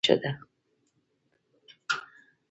موټر تل د خلکو خوښه ده.